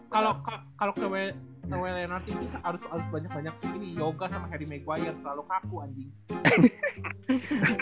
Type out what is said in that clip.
kalo kew leonard ini harus banyak banyak ini yoga sama harry maguire terlalu kaku anjing